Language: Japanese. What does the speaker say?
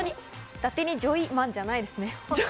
だてにジョイマンじゃないですね。